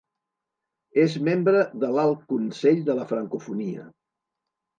És membre de l'Alt Consell de la Francofonia.